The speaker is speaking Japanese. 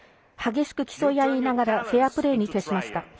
激しく競い合いながらフェアプレーに徹しました。